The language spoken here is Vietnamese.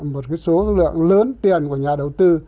một số lượng lớn tiền của nhà đầu tư